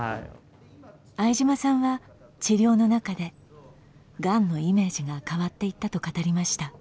相島さんは治療の中でがんのイメージが変わっていったと語りました。